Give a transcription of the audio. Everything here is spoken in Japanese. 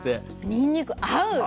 にんにく合う。